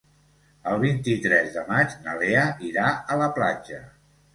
El vint-i-tres de maig na Lea irà a la platja.